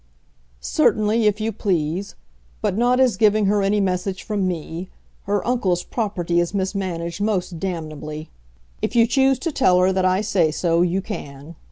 "Certainly, if you please; but not as giving her any message from me. Her uncle's property is mismanaged most damnably. If you choose to tell her that I say so you can.